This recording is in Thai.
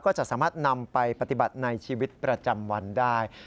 จะสามารถนำไปปฏิบัติในชีวิตประจำวันได้